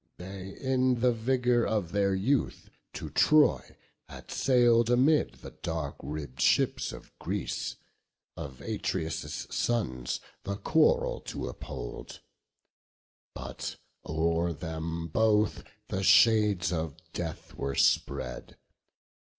They, in the vigour of their youth, to Troy Had sail'd amid the dark ribb'd ships of Greece, Of Atreus' sons the quarrel to uphold; But o'er them both the shades of death were spread.